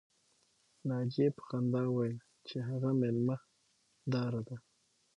ناجیې په خندا وویل چې هغه مېلمه داره ده